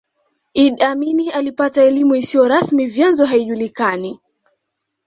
Idi Amin alipata elimu isiyo rasmi vyanzo haijulikani